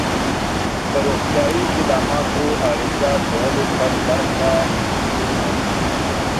د روغتیایی خدماتو د عرضه کولو په برخه کې د مسؤلینو